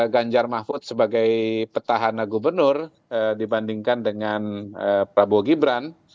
ganjar mahfud sebagai petahana gubernur dibandingkan dengan prabowo gibran